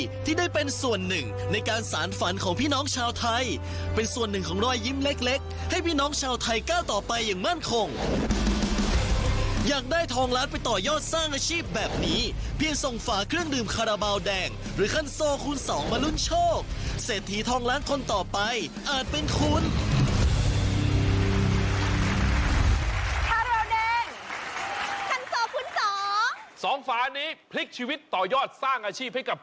เยี่ยมเยี่ยมเยี่ยมเยี่ยมเยี่ยมเยี่ยมเยี่ยมเยี่ยมเยี่ยมเยี่ยมเยี่ยมเยี่ยมเยี่ยมเยี่ยมเยี่ยมเยี่ยมเยี่ยมเยี่ยมเยี่ยมเยี่ยมเยี่ยมเยี่ยมเยี่ยมเยี่ยมเยี่ยมเยี่ยมเยี่ยมเยี่ยมเยี่ยมเยี่ยมเยี่ยมเยี่ยมเยี่ยม